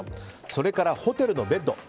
それからホテルのベッド。